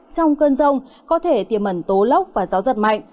trong cơn rông có thể tiềm mẩn tố lốc và gió giật mạnh